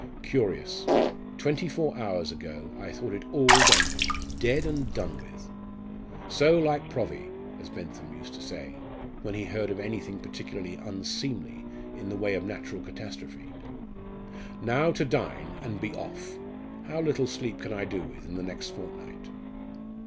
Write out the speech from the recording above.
Curious! twenty four hours ago I thought it all done with dead and done with. 'So like Provvy,' as Bentham used to say, when he heard of anything particularly unseemly in the way of natural catastrophe. Now to dine, and be off! How little sleep can I do with in the next fortnight?"